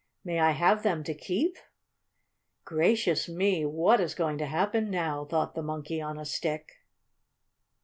"May I have them to keep?" "Gracious me! what is going to happen now?" thought the Monkey on a Stick.